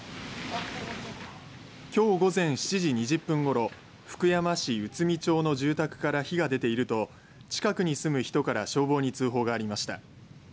きょう午前７時２０分ごろ福山市内海町の住宅から火が出ていると近くに住む人から通報がありました。